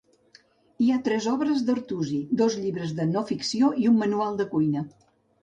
Hi ha tres obres d'Artusi: dos llibres de no ficció i un manual de cuina.